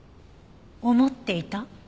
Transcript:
「思っていた」？